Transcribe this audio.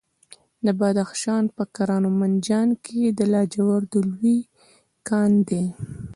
د بدخشان په کران او منجان کې د لاجوردو لوی کان دی.